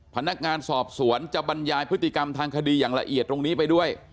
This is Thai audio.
พนักงานสอบสวนจะบรรยายพฤติกรรมทางคดีอย่างละเอียดตรงนี้ไปด้วย